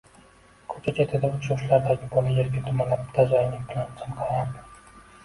Ko‘cha chetida uch yoshlardagi bola yerga dumalab tajanglik bilan chinqirardi.